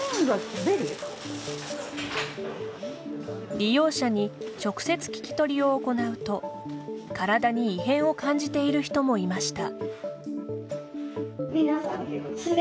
利用者に直接聞き取りを行うと体に異変を感じている人もいました。